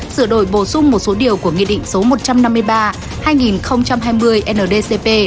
sửa đổi bổ sung một số điều của nghị định số một trăm năm mươi ba hai nghìn hai mươi ndcp